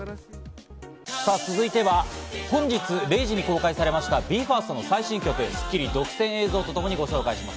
続いては本日０時に公開されましたＢＥ：ＦＩＲＳＴの最新曲を『スッキリ』独占映像とともにご紹介します。